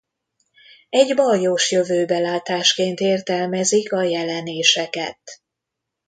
Egy baljós jövőbe látásként értelmezik a jelenéseket.